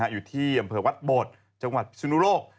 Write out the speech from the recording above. อยู่ที่อำเภอวัดโบดจังหวัดสุนุโลก